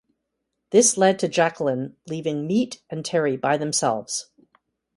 This led to Jacqueline leaving Meat and Terri by themselves.